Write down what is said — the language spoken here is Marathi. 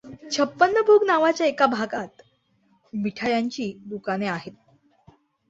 छप्पन भोग नावाच्या एका भागात मिठायांची दुकाने आहेत.